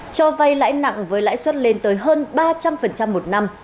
cho vay lãi nặng với lãi suất lên tới hơn ba trăm linh một năm